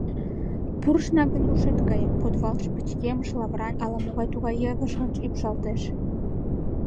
Пурышна гын, ушет кая: подвалже пычкемыш, лавыран, ала-мо тугай йыгыжгын ӱпшалтеш.